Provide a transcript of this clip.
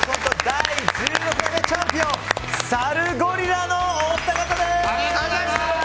第１６代目チャンピオンサルゴリラのお二方です！